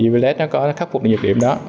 uv led nó có khắc phục những nhược điểm đó